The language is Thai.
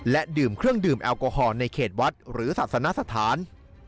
และดื่มเครื่องดื่มแอลกอฮอล์ในเขตวัดหรือศาสนสถาน